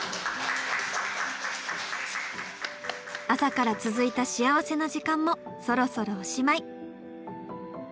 朝から続いた幸せな時間もそろそろおしまい。